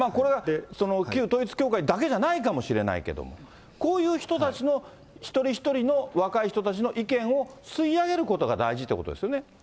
その旧統一教会だけじゃないかもしれないけども、こういう人たちの一人一人の、若い人たちの意見を吸い上げることが大事っていうことですよね。